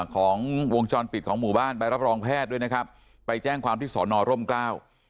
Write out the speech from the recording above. ของวงจรปิดของหมู่บ้านไปรับรองแพทย์ด้วยนะครับไปแจ้งความที่สอนอร่มกล้า